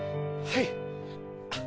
はい。